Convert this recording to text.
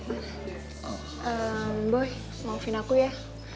eemm boy maufin aku ya